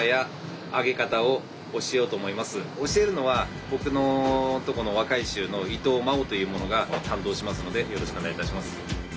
教えるのは僕のとこの若い衆の伊藤真生という者が担当しますのでよろしくお願いいたします。